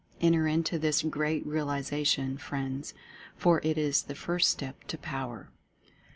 Enter into this Great Realization, friends, for it is The First Step to Power.